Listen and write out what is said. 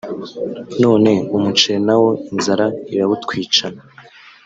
none umuceri nawo inzara irawutwicana